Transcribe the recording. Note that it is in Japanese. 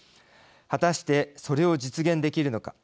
果たして、それを実現できるのか。